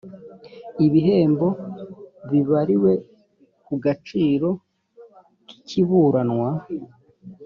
ibihembo bibariwe ku gaciro k ikiburanwa